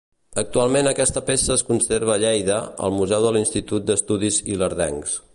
Actualment aquesta peça es conserva a Lleida, al Museu de l'Institut d'Estudis Ilerdencs.